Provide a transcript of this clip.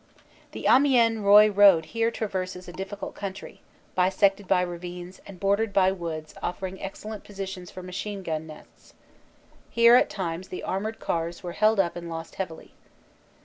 The Amiens Roye road here traverses a difficult country, bisected by ravines and bordered by woods offering excellent positions for machine gun nests. Here at times the armored cars were held up and lost heavily.